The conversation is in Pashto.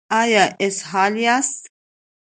ایا اسهال یاست؟